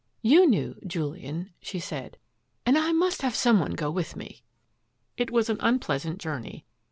"You knew — Julian,'* she said, "and I must have some one go with me." It was an unpleasant journey.